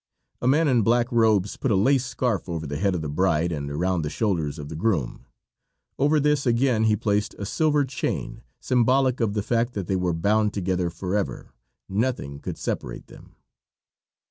A man in black robes put a lace scarf over the head of the bride and around the shoulders of the groom; over this again he placed a silver chain, symbolic of the fact that they were bound together forever nothing could separate them.